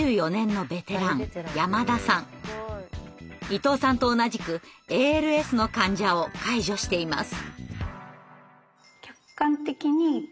伊藤さんと同じくＡＬＳの患者を介助しています。